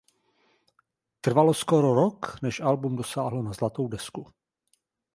Trvalo skoro rok než album dosáhlo na zlatou desku.